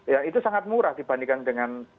ya itu sangat murah dibandingkan dengan